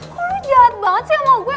kok lo jahat banget sih sama gue